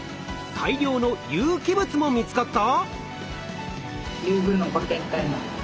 大量の有機物も見つかった！？